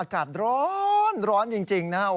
อากาศร้อนร้อนจริงนะ